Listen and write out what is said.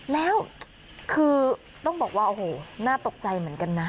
แล้วคือต้องบอกว่าโอ้โหน่าตกใจเหมือนกันนะ